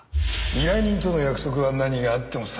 依頼人との約束は何があっても最後まで守る。